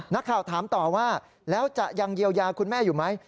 นักข่าวถามต่อว่าแล้วจะยังเยียวยาคุณแม่อยู่ไหม